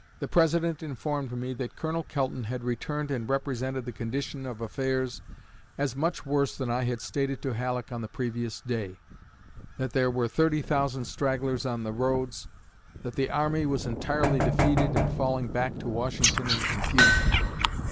The President informed me that Colonel Kelton had returned and represented the condition of affairs as much worse than I had stated to Halleck on the previous day; that there were 30,000 stragglers on the roads; that the army was entirely defeated and falling back to Washington in confusion.